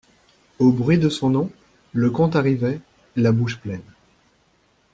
Au bruit de son nom, le comte arrivait, la bouche pleine.